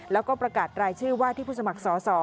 แล้วก็ประกาศรายชื่อว่าที่ผู้สมัครสอสอ